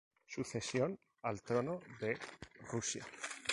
Sucesión al trono de Rusia.